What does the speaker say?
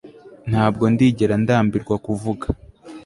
Ntabwo ndigera ndambirwa kuvuga